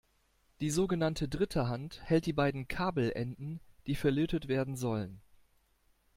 Die sogenannte Dritte Hand hält die beiden Kabelenden, die verlötet werden sollen.